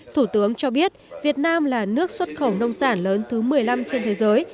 thủ tướng cho biết việt nam là nước xuất khẩu nông sản lớn thứ một mươi năm trên thế giới